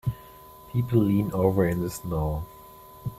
People lean over in the snow